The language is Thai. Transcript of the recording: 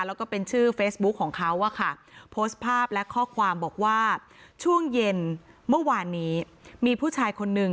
แล้วก็เป็นชื่อเฟซบุ๊คของเขาอะค่ะโพสต์ภาพและข้อความบอกว่าช่วงเย็นเมื่อวานนี้มีผู้ชายคนนึง